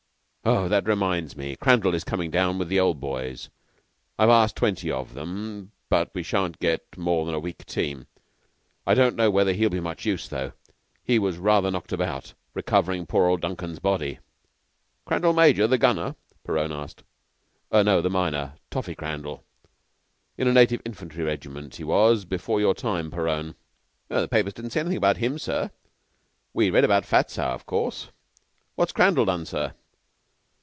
"Oh, that reminds me. Crandall is coming down with the Old Boys I've asked twenty of them, but we shan't get more than a weak team. I don't know whether he'll be much use, though. He was rather knocked about, recovering poor old Duncan's body." "Crandall major the Gunner?" Perowne asked. "No, the minor 'Toffee' Crandall in a native infantry regiment. He was almost before your time, Perowne." "The papers didn't say anything about him. We read about Fat Sow, of course. What's Crandall done, sir?"